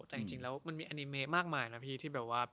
แต่จริงแล้วมันมีแอนิเมมากมายนะพี่ที่แบบว่า